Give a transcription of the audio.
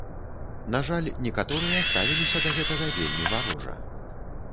На жаль, некаторыя ставіліся да гэтага вельмі варожа.